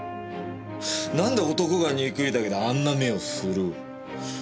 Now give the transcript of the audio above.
なんで男が憎いだけであんな目をする？